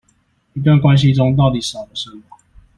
一段關係中到底少了什麼